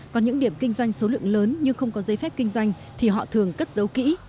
còn những điểm kinh doanh số lượng lớn nhưng không có giấy phép kinh doanh thì họ thường cất giấu kỹ